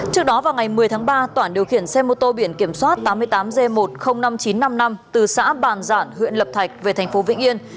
trước đó vào ngày một mươi tháng ba toản điều khiển xe mô tô biển kiểm soát tám mươi tám g một mươi nghìn năm trăm chín mươi năm từ xã bàn giản huyện lập thạch về thành phố vĩnh yên